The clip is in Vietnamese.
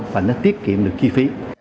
và nó tiết kiệm được chi phí